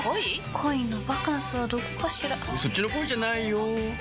恋のバカンスはどこかしらそっちの恋じゃないよ